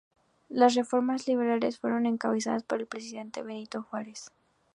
Las reformas liberales fueron encabezadas por el presidente Benito Juárez.